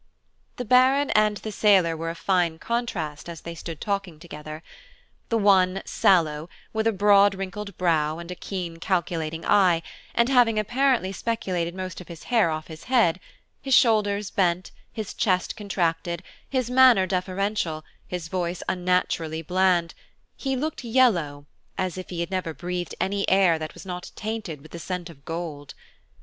The Baron and the sailor were a fine contrast as they stood talking together; the one, sallow, with a broad wrinkled brow and a keen calculating eye, and having apparently speculated most of his hair off his head, his shoulders, bent, his chest contracted, his manner deferential, his voice unnaturally bland, he looked yellow, as if he had never breathed any air that was not tainted with the scent of gold.